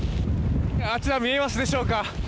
あちらに見えますでしょうか。